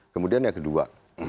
kemudian yang kedua